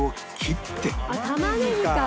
あっ玉ねぎか！